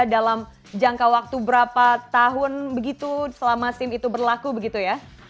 dalam jangka waktu berapa tahun begitu selama sim itu berlaku begitu ya